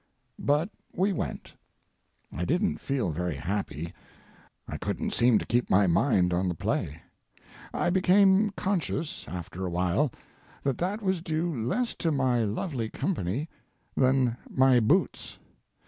But we went. I didn't feel very happy. I couldn't seem to keep my mind on the play. I became conscious, after a while, that that was due less to my lovely company than my boots.